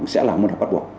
sẽ là môn học bắt buộc